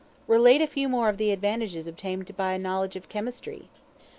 Relate a few more of the advantages obtained by a knowledge of Chemistry.